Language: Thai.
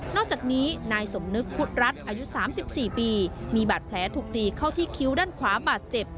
อกจากนี้นายสมนึกพุทธรัฐอายุ๓๔ปีมีบาดแผลถูกตีเข้าที่คิ้วด้านขวาบาดเจ็บ